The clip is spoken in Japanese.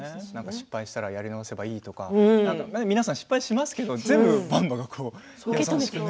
失敗したらやり直せばいいとか皆さん、失敗しますけれども全部ばんばがね、優しくね。